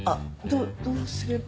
どっどうすれば。